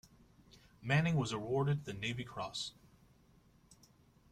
Manning, was awarded the Navy Cross.